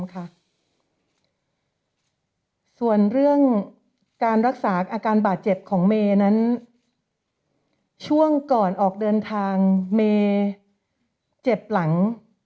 ส่วนเรื่องการรักษาอาการบาดเจ็บของเมย์นั้นช่วงก่อนออกเดินทางเมย์เจ็บหลัง